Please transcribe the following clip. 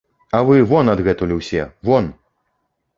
А вы вон адгэтуль усе, вон!